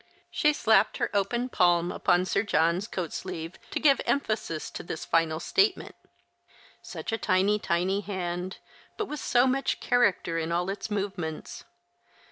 She slapped her open palm upon Sir John's coat sleeve to give emphasis to this final statement : such a tiny, tiny hand, but with so much character in all its move ments.